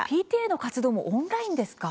ＰＴＡの活動もオンラインですか。